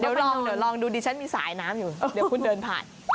เดี๋ยวลองดูดีฉันมีสายน้ำอยู่เดี๋ยวคุณเดินผ่าน